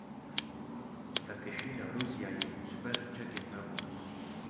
Vekişîna Rûsyayê ji ber çekên me bû.